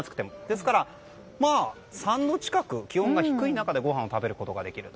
ですから３度近く気温が低い中でごはんを食べることができる。